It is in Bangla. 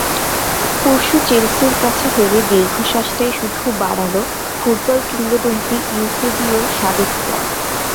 পরশু চেলসির কাছে হেরে দীর্ঘশ্বাসটাই শুধু বাড়াল ফুটবল কিংবদন্তি ইউসেবিওর সাবেক ক্লাব।